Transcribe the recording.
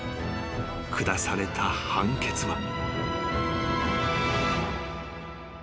［下された判決は］